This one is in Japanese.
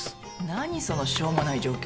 何そのしょうもない条件。